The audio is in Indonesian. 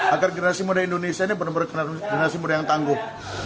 agar generasi muda indonesia ini benar benar generasi muda yang tangguh